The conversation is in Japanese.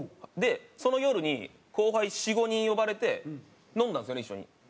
でその夜に後輩４５人呼ばれて飲んだんですよね一緒に。